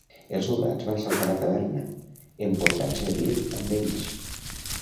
Els soldats van assaltar la taverna, emportant-se a Bear amb ells.